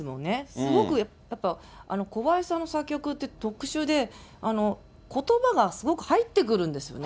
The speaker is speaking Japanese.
すごくやっぱ、小林さんの作曲って特殊で、ことばがすごく入ってくるんですよね。